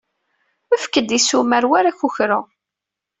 Efk-d issumar war akukru.